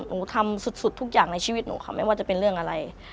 หนูทำสุดทุกอย่างในชีวิตหนูค่ะไม่ว่าจะเป็นเรื่องอะไร